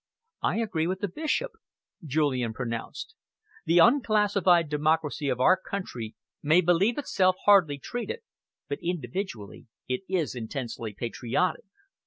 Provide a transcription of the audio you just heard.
"I agree with the Bishop," Julian pronounced. "The unclassified democracy of our country may believe itself hardly treated, but individually it is intensely patriotic.